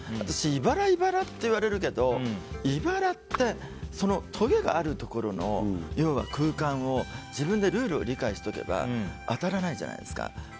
私、いばら、いばらって言われるけど、いばらってとげがあるところの、要は空間を自分でルールを理解しておけば当たらないじゃないですか。